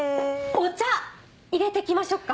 お茶入れて来ましょうか？